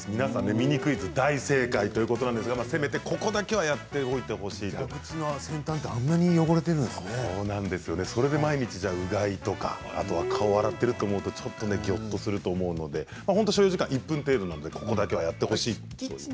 ミニクイズ大正解ということなんですがせめてここだけは蛇口の先端ってそれで毎日、うがいとか顔を洗っていると思うのでちょっとぎょっとすると思うので所要時間１分程度なのでここだけはやってほしい。